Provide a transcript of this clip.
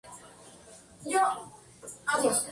Creó un código fiscal uniforme.